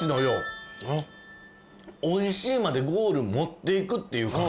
おいしいまでゴール持っていくっていう感じ。